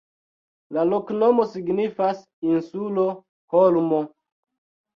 La loknomo signifas: insulo-holmo.